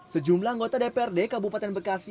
sejumlah anggota dprd kabupaten bekasi